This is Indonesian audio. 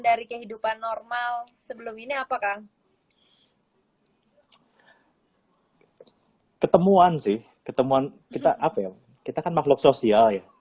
dari kehidupan normal sebelum ini apa kang ketemuan sih ketemuan kita apa ya kita kan makhluk sosial ya